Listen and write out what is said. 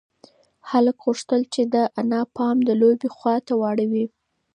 هلک غوښتل چې د انا پام د لوبې خواته واړوي.